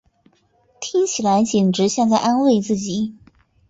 听起来简直像在安慰自己